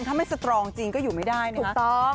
ถ้าไม่สตรองจริงก็อยู่ไม่ได้นะครับ